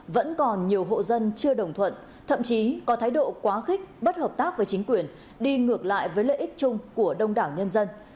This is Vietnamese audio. vẫn còn nhiều hộ dân chưa đồng thuận thậm chí có thái độ quá khích bất hợp tác với chính quyền đi ngược lại với lợi ích chung của đông đảo nhân dân